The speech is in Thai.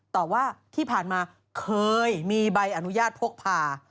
ต่อว่าที่ผ่านมาเคยมีใบอนุญาตพกพา